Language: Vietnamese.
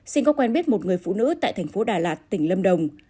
sinh có quen biết một người phụ nữ tại tp đà lạt tỉnh lâm đồng